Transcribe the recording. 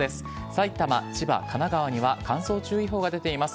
さいたま、千葉、神奈川には乾燥注意報が出ています。